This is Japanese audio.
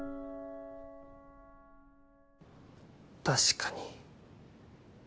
確かに。